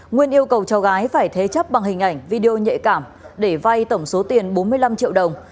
nguyên yêu cầu cháu gái phải thế chấp bằng hình ảnh video nhạy cảm để vay tổng số tiền bốn mươi năm triệu đồng